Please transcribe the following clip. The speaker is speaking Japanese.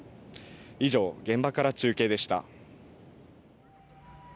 以上、現場から中継でした。